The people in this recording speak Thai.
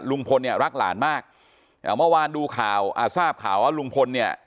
ลุงพลเนี่ยรักหลานมากอ่าเมื่อวานดูข่าวอ่าทราบข่าวว่าลุงพลเนี่ย